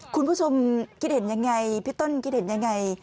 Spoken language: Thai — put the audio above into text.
คุณผู้ชมคิดเห็นยังไงพี่ต้นคิดเห็นยังไง